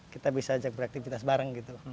kita bisa ajak beraktivitas bareng gitu